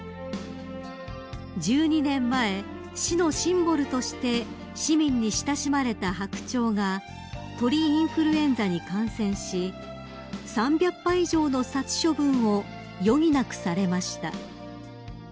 ［１２年前市のシンボルとして市民に親しまれたハクチョウが鳥インフルエンザに感染し３００羽以上の殺処分を余儀なくされました］